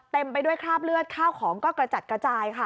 เต็มไปด้วยคราบเลือดข้าวของก็กระจัดกระจายค่ะ